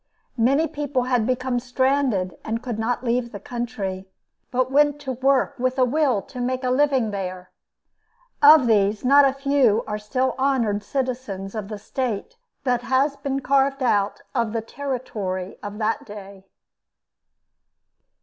Many people had become stranded and could not leave the country, but went to work with a will to make a living there. Of these not a few are still honored citizens of the state that has been carved out of the territory of that day.